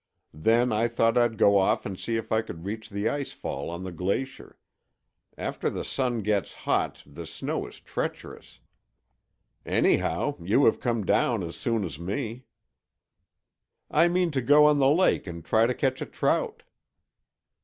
Then I thought I'd go off and see if I could reach the ice fall on the glacier; after the sun gets hot the snow is treacherous. Anyhow, you have come down as soon as me." "I mean to go on the lake and try to catch a trout."